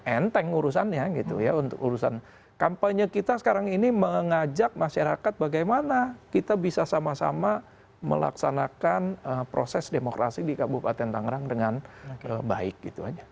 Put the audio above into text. enteng urusannya gitu ya untuk urusan kampanye kita sekarang ini mengajak masyarakat bagaimana kita bisa sama sama melaksanakan proses demokrasi di kabupaten tangerang dengan baik gitu aja